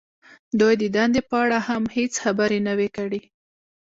دوی د دندې په اړه هم هېڅ خبرې نه وې کړې